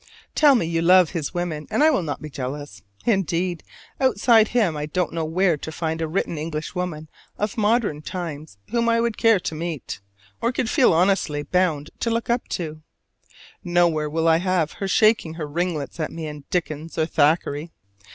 Tell me you love his women and I will not be jealous. Indeed, outside him I don't know where to find a written English woman of modern times whom I would care to meet, or could feel honestly bound to look up to: nowhere will I have her shaking her ringlets at me in Dickens or Thackeray.